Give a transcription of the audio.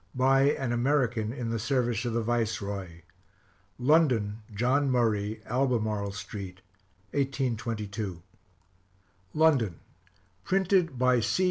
BY AN AMERICAN IN THE SERVICE OF THE VICEROY. LONDON: JOHN MURRAY, ALBEMARLE STREET. 1822. London: Printed by C.